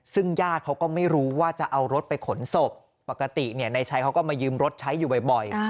ซึ่งญาติเขาก็ไม่รู้ว่าจะเอารถไปขนศพปกตินายชัยเขาก็มายืมรถใช้อยู่บ่อย